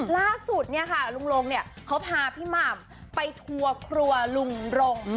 แล้วสุดร่วงเนี่ยเขาพาพี่ม่ำไปทัวร์ครัวรุงรงก์